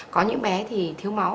có những bé thì thiếu máu